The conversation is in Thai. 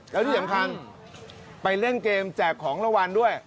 แล้วที่สำคัญไปเล่นเกมแจกของรางวัลด้วย